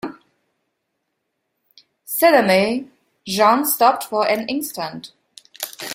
Suddenly Jeanne stopped for an instant.